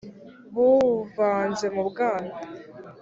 buvanze mu bwana